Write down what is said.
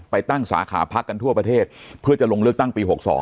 ตั้งสาขาพักกันทั่วประเทศเพื่อจะลงเลือกตั้งปี๖๒